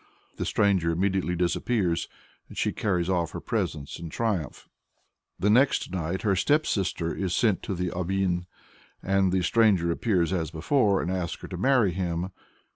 The stranger immediately disappears, and she carries off her presents in triumph. The next night her stepsister is sent to the ovin, and the stranger appears as before, and asks her to marry him.